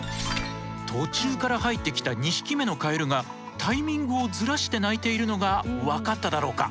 途中から入ってきた２匹目のカエルがタイミングをズラして鳴いているのがわかっただろうか。